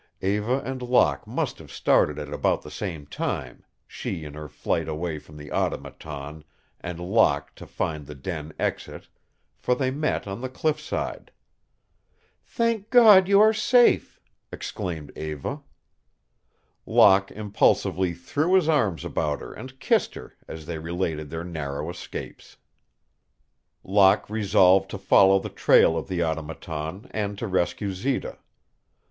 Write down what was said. Eva and Locke must have started at about the same time, she in her flight away from the Automaton, and Locke to find the den exit, for they met on the cliffside. "Thank God you are safe!" exclaimed Eva. Locke impulsively threw his arms about her and kissed her as they related their narrow escapes. Locke resolved to follow the trail of the Automaton and to rescue Zita.